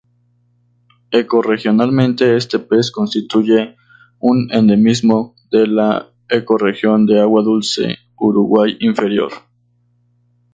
Ecorregionalmente este pez constituye un endemismo de la ecorregión de agua dulce Uruguay inferior.